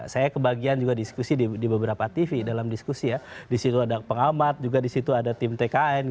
saya kebagian juga diskusi di beberapa tv dalam diskusi ya disitu ada pengamat juga disitu ada tim tkn